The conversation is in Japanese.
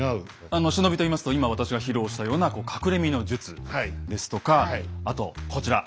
あの忍びといいますと今私が披露したような「隠れ身の術」ですとかあとこちら。